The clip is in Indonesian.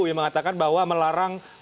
yang mengatakan bahwa melarang